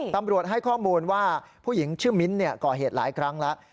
ตำรวจให้ข้อมูลว่าผู้หญิงชื่อมิ้นก่อเหตุหลายครั้งแล้ว